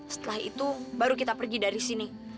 setelah itu baru kita pergi dari sini